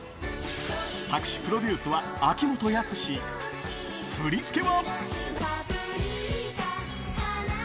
作詞・プロデュースは秋元康、振り付けは。